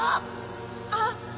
あっ！